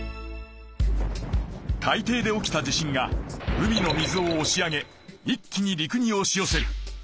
海底で起きた地震が海の水を押し上げ一気に陸に押しよせる。